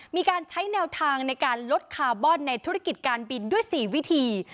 มีการใช้แนวทางในการลดคาร์บอนในธุรกิจการบินด้วย๔วิธี